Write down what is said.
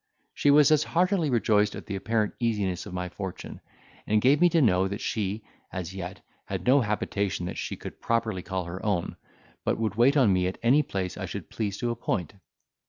She was as heartily rejoiced at the apparent easiness of my fortune, and gave me to know that she, as yet, had no habitation that she could properly call her own; but would wait on me at any place I should please to appoint.